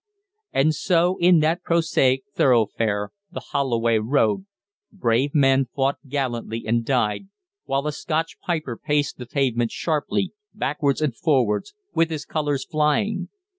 And so in that prosaic thoroughfare, the Holloway Road, brave men fought gallantly and died, while a Scotch piper paced the pavement sharply, backwards and forwards, with his colours flying.